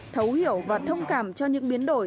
thấu hiểu và thông cảm cho những biến đổi